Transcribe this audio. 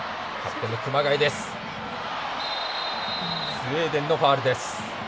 スウェーデンのファウルです。